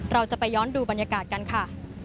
เราจะไปย้อนดูบรรยากาศกันค่ะ